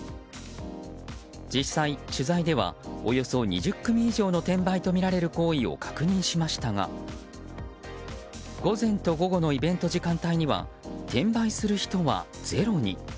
実際、取材ではおよそ２０組以上の転売とみられる行為を確認しましたが午前と午後のイベント時間帯には転売する人は、ゼロに。